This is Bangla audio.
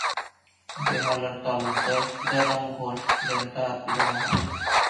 বেহালার তালুকদার সীতারাম ঘোষ ছিলেন তার পিতামহ।